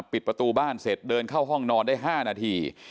ปิดประตูบ้านเสร็จเดินเข้าห้องนอนได้๕นาที